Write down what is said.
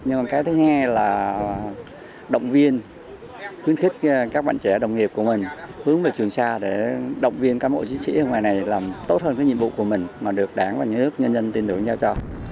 nhưng mà cái thứ hai là động viên khuyến khích các bạn trẻ đồng nghiệp của mình hướng về trường sa để động viên các bộ chính sĩ hôm nay này làm tốt hơn cái nhiệm vụ của mình mà được đảng và những nước nhân dân tin tưởng nhau cho